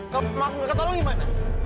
kau mau aku ngeketolong gimana